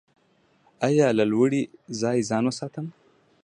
ایا له لوړ ځای ځان وساتم؟